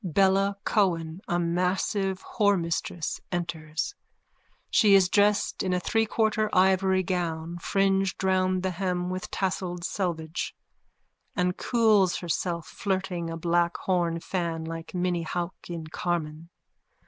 Bella Cohen, a massive whoremistress, enters. She is dressed in a threequarter ivory gown, fringed round the hem with tasselled selvedge, and cools herself flirting a black horn fan like Minnie Hauck in_ Carmen.